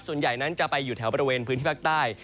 ส่วนใหญ่นั้นจะไปอยู่แถวบริเวณพื้นที่ภาคใต้